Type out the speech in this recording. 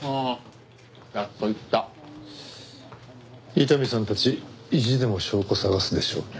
伊丹さんたち意地でも証拠探すでしょうね。